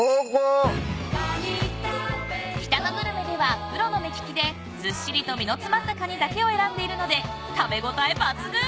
［北のグルメではプロの目利きでずっしりと身の詰まったカニだけを選んでいるので食べ応え抜群］